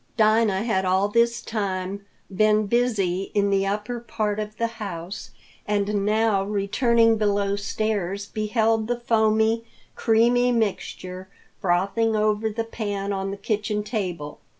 Dinah had all this time been busy in the upper part of the house and now returning below stairs beheld the foamy, creamy mixture frothing over the pan on the kitchen table.